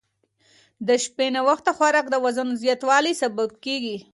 د شپې ناوخته خوراک د وزن زیاتوالي سبب کېږي.